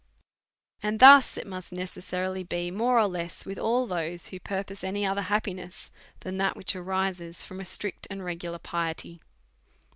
And thus it must necessarily be more or less with all those who propose any other happiness than that which arises from a strict and regular piety.